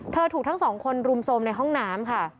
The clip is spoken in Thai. เธอถูกทั้ง๒คนรุมโซมในห้องน้ำค่ะ